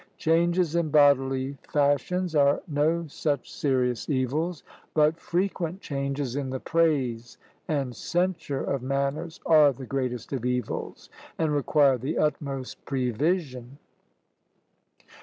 Changes in bodily fashions are no such serious evils, but frequent changes in the praise and censure of manners are the greatest of evils, and require the utmost prevision.